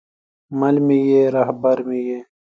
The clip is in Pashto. مل مې یې، رهبر مې یې